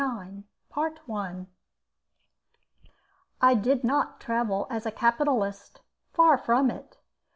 OUT WEST IN 1849. I did not travel as a capitalist, far from it.